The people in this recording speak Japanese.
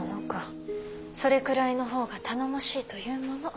それくらいの方が頼もしいというもの。